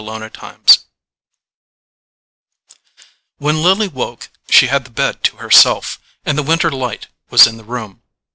Chapter 15 When Lily woke she had the bed to herself, and the winter light was in the room.